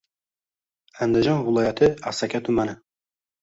Andijon viloyati Asaka tumani;